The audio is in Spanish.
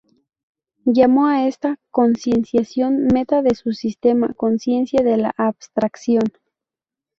Llamó a esta concienciación, meta de su sistema, "conciencia de la abstracción".